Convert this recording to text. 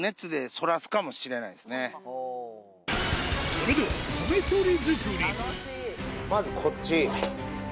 それではまずこっち。